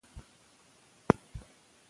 د هغه مړینه د پښتو غزل لپاره د یو عصر پای و.